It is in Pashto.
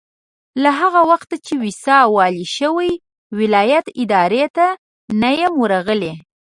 له هغه وخته چې ويساء والي شوی ولایت ادارې ته نه یم ورغلی.